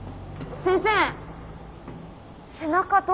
先生